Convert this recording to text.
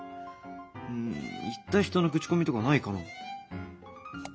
うん行った人の口コミとかないかな？